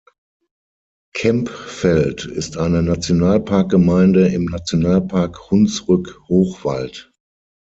Kempfeld ist eine Nationalparkgemeinde im Nationalpark Hunsrück-Hochwald.